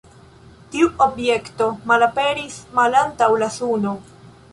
Tiu objekto malaperis malantaŭ la Suno.